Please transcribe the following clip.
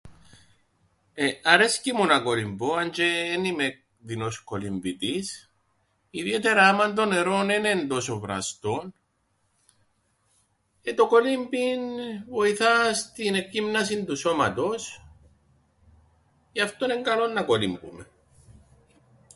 Ε... αρέσκει μου να κολυμπώ, αν τζ̆αι εν είμαι δεινός κολυμβητής, ιδιαίτερα άμαν το νερόν ένεν' τόσον βραστόν... ε το κολύμπιν βοηθά στην εκγύμνασην του σώματος γι' αυτόν εν' καλό να κολυμπούμεν.